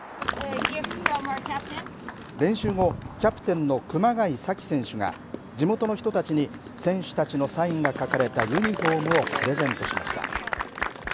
練習後、キャプテンの熊谷紗希選手が地元の人たちに選手たちのサインが書かれたユニホームをプレゼントしました。